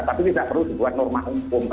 tapi tidak perlu dibuat norma hukum